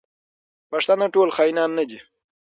پښتانه ټول خاینان نه دي.